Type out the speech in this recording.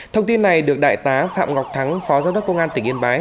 thông tin này được đại tá phạm ngọc thắng phó giám đốc công an tỉnh yên bái